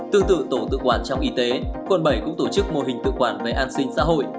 tương tự tổ tự quản trong y tế quận bảy cũng tổ chức mô hình tự quản về an sinh xã hội